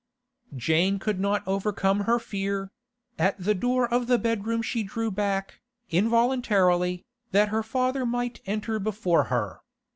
Jane could not overcome her fear; at the door of the bedroom she drew back, involuntarily, that her father might enter before her.